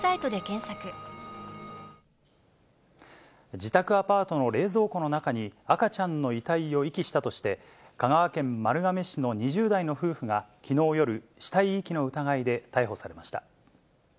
自宅アパートの冷蔵庫の中に、赤ちゃんの遺体を遺棄したとして、香川県丸亀市の２０代の夫婦がきのう夜、死体遺棄の疑いで逮捕されました。